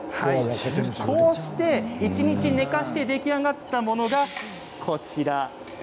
こうして一日寝かして出来上がったものがこちら。